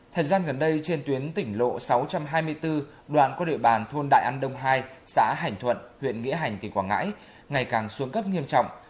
thời gian gần đây trên tuyến tỉnh lộ sáu trăm hai mươi bốn đoạn qua địa bàn thôn đại an đông hai xã hành thuận huyện nghĩa hành tỉnh quảng ngãi ngày càng xuống cấp nghiêm trọng